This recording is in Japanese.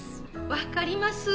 分かります